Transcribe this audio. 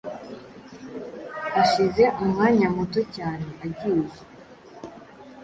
hashize umwanya muto cyane agiye